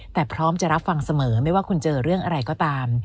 แต่พร้อมจะรับฟังเสมอไม่ว่าคุณเจอเรื่องอะไรก็ตาม